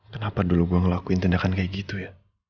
kenapa dulu gue ngelakuin tindakan kayak gitu ya